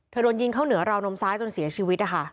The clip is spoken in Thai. โดนยิงเข้าเหนือราวนมซ้ายจนเสียชีวิตนะคะ